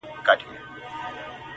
یوه یې خپله وه او بله یې نیکه ورته ویله